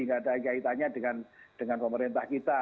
tidak ada kaitannya dengan pemerintah kita